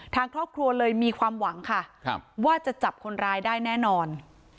ทางครอบครัวเลยมีความหวังค่ะว่าจะจับคนร้ายได้แน่นอน